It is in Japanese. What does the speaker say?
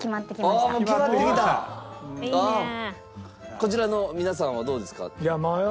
こちらの皆さんはどうですか？